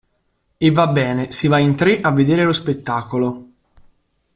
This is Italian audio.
E va bene si va in tre a vedere lo spettacolo!